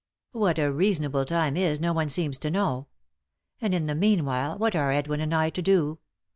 What a reasonable time is no one seems to know. And, in the meanwhile, what are Edwin and I to do